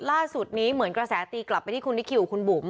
ล่าสุดนี้เหมือนกระแสตีกลับไปที่คุณนิคิวคุณบุ๋ม